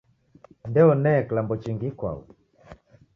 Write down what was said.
Ndeone kilambo chingi ikwau